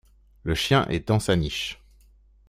Le chien est dans sa niche.